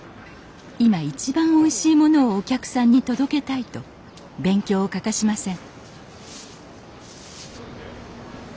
今一番おいしいものをお客さんに届けたいと勉強を欠かしません